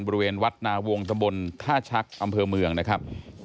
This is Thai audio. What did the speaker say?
บริเวณวัดนาวงตำบลท่าชักอำเภอเมืองนะครับ